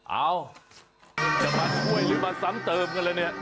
เอ้าจะมาช่วยหรือมาซ้ำเติมกันแล้วเนี่ย